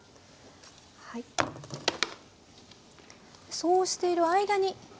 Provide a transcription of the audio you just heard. そうしている間に。